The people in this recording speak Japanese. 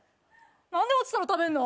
何で落ちたの食べるの？